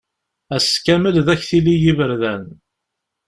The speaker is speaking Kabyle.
Ass kamel d aktili n yiberdan.